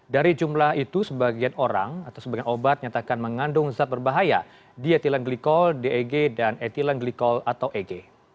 dari jumlah itu sebagian orang atau sebagian obat nyatakan mengandung zat berbahaya di etileng glikol deg dan etilen glikol atau eg